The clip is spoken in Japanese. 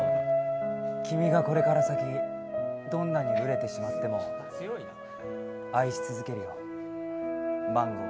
君がこれから先どんなに熟れてしまっても愛し続けるよマンゴー。